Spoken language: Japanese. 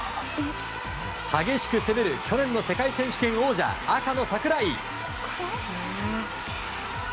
激しく攻める去年の世界選手権王者、赤の櫻井。